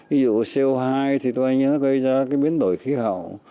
ví dụ co hai thì tôi nghĩ nó gây ra cái biến đổi khí hậu